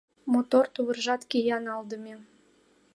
Мотор тувыржат кия налдыме